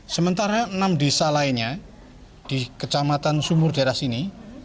sementara enam desa lainnya di kecamatan sumur daerah sini